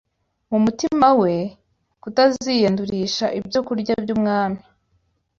mu mutima we kutaziyandurisha ibyokurya by’umwami,